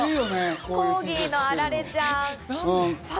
コーギーのあられちゃん。